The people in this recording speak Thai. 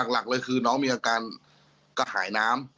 หลักเลยคือน้องมีอาการกระหายน้ำ